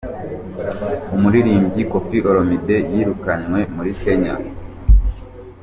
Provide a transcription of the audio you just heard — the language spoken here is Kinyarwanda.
Umuririmvyi Koffi Olomide yirukanywe muri Kenya.